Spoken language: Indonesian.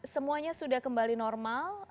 semuanya sudah kembali normal